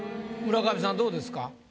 村上さんどうですか？